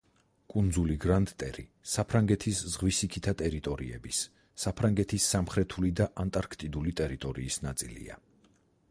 კუნძული გრანდ-ტერი საფრანგეთის ზღვისიქითა ტერიტორიების, საფრანგეთის სამხრეთული და ანტარქტიდული ტერიტორიის ნაწილია.